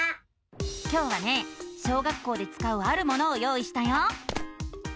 今日はね小学校でつかうあるものを用意したよ！